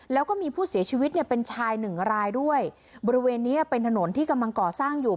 แล้วก็มีผู้เสียชีวิตเนี่ยเป็นชายหนึ่งรายด้วยบริเวณนี้เป็นถนนที่กำลังก่อสร้างอยู่